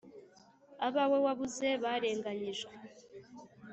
Abawe wabuze barenganyijwe